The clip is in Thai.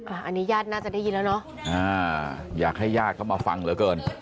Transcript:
อันนี้ญาติน่าจะได้ยินแล้วเนอะอ่าอยากให้ญาติเข้ามาฟังเหลือเกิน